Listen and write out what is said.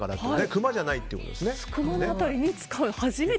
クマじゃないっていうことですね。